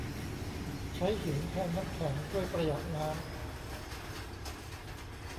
ใช้หินแทนน้ำแข็ง ช่วยประหยัดน้ำ